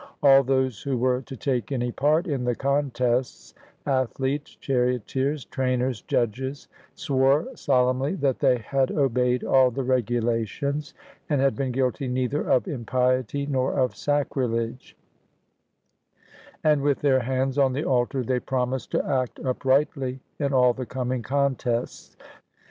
All those who were to take any part in the contests — athletes, charioteers, trainers, judges — swore solemnly that they had obeyed all the regulations and had been guilty neither of im piety nor of sacrilege, and with their hands on the altar they promised to act uprightly in all the coming contests.